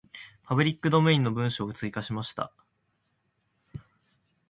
パブリックドメインの文章を追加しました。